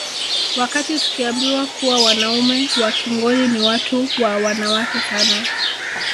Wakati tukiambiwa kuwa wanaume wa Kingoni ni watu wa wanawake sana